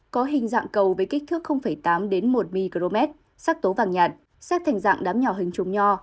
có hình dạng cầu với kích thước tám một micromet xác tố vàng nhạt xét thành dạng đám nhỏ hình trùng nho